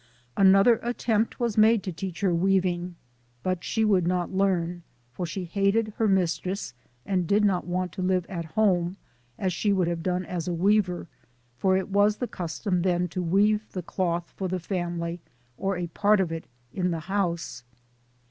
" Another attempt was made to teach her weav ing, but she would not learn, for she hated her mistress, and did not want to live at home, as she would have done as a weaver, for it was the cus tom then to weave the cloth for the family, or a part of it, in the house.